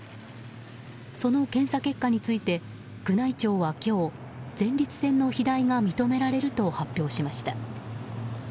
その検査結果について宮内庁は今日前立腺の肥大が認められると発表しました。